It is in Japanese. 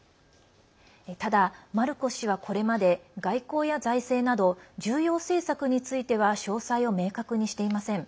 ただ、マルコス氏はこれまで外交や財政など重要政策については詳細を明確にしていません。